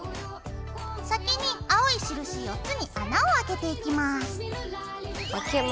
先に青い印４つに穴をあけていきます。